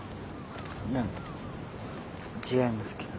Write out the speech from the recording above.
いや違いますけど。